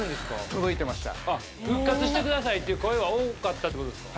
届いてました復活してくださいっていう声は多かったってことですか？